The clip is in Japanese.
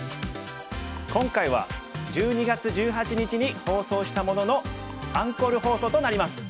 今回は１２月１８日に放送したもののアンコール放送となります。